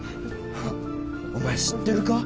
はっお前知ってるか？